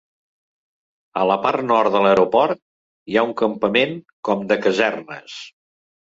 A la part nord de l'aeroport hi ha un campament com de casernes.